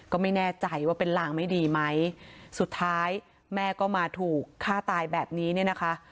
ก็ไม่แน่ใจว่าเป็นลางไม่ดีไหมสุดท้ายแม่ก็มาถูกฆ่าตายแบบนี้เนี่ยนะคะ